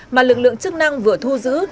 mà lực lượng chức năng vừa thu giữ